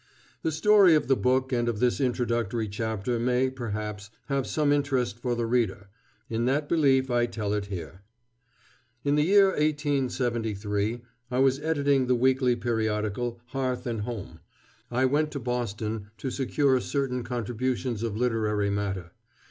The story of the book and of this introductory chapter may, perhaps, have some interest for the reader. In that belief I tell it here. In the year, 1873, I was editing the weekly periodical, Hearth and Home. I went to Boston to secure certain contributions of literary matter.